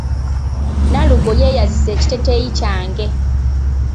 Nalugo yeeyazise ekiteeteeyi kyange.